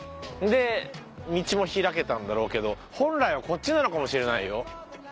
で道も開けたんだろうけど本来はこっちなのかもしれないよ。